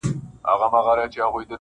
له جانانه مي ګيله ده-